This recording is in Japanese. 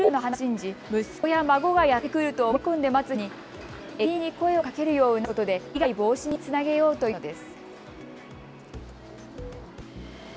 詐欺グループの話を信じ息子や孫がやって来ると思い込んで待つ人に駅員に声をかけるよう促すことで被害防止につなげようというのです。